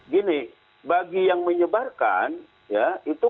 gini bagi yang menyebarkan ya itu